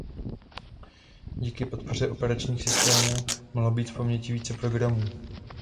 Díky podpoře operačního systému mohlo být v paměti více programů.